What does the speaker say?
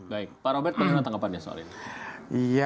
baik pak robert pengen nantang apa soal ini